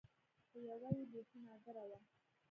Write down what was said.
خو يوه يې بيخي نادره وه.